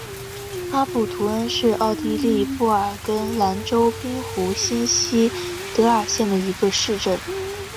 哈布图恩是奥地利布尔根兰州滨湖新锡德尔县的一个市镇。